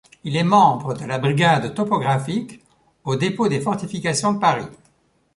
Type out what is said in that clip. Il est membre de la brigade topographique au dépôt des fortifications de Paris.